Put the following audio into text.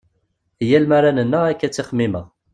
Yal mi ara nennaɣ akka i ttximimeɣ.